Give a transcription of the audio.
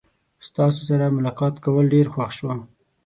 ستاسو سره ملاقات کول ډیر خوښ شو.